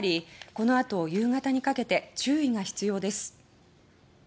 このあと夕方にかけて注意が必要です。